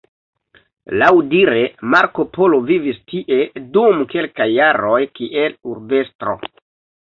Laŭdire Marko Polo vivis tie dum kelkaj jaroj kiel urbestro.